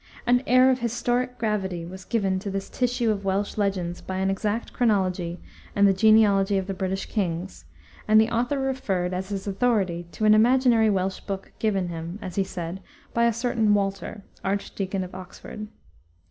An air of historic gravity was given to this tissue of Welsh legends by an exact chronology and the genealogy of the British kings, and the author referred, as his authority, to an imaginary Welsh book given him, as he said, by a certain Walter, archdeacon of Oxford.